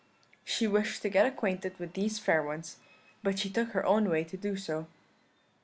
She wished to get acquainted with these fair ones, but she took her own way to do so.